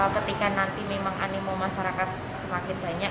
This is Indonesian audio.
ketika nanti memang animo masyarakat semakin banyak